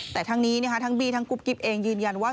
แต่ทั้งนี้ทั้งบี้ทั้งกุ๊บกิ๊บเองยืนยันว่า